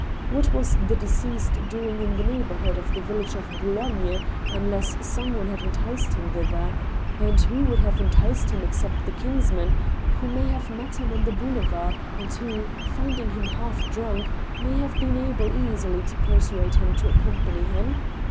What was the deceased doing in the neighbor hood of the village of Boulogne, unless some one had enticed him thither ; and who would have enticed him except the kinsman, who may have met him on the boulevard, and who, finding him half drunk, may have been able easily to persuade him to accompany him